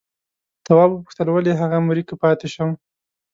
تواب وپوښتل ولې هغه مري که پاتې شم؟